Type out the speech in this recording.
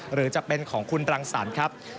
หรือจะเป็นของคุณรังสรรค์ครับ